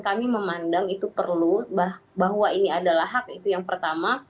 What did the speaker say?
kami memandang itu perlu bahwa ini adalah hak itu yang pertama